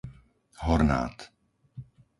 Hornád